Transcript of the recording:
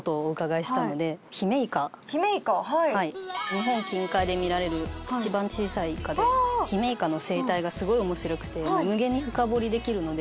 日本近海で見られる一番小さいイカでヒメイカの生態がすごい面白くて無限に深掘りできるので。